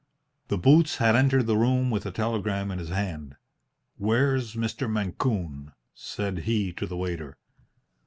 The boots had entered the room with a telegram in his hand. "Where's Mr. Mancune?" said he to the waiter.